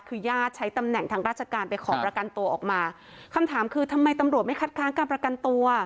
คือญาติใช้ตำแหน่งทางราชการไปขอประกันตัวออกมาคำถามคือทำไมตำรวจไม่คัดค้างการประกันตัว